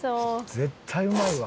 絶対うまいわ。